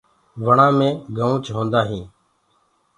وڻآ مي گنُوچ هوندآ هينٚ۔